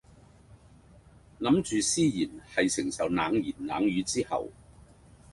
諗住思賢喺承受冷言冷語之後